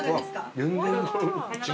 全然。